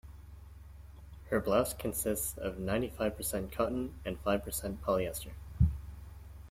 Her blouse consists of ninety-five percent cotton and five percent polyester.